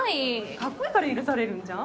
カッコいいから許されるんじゃん。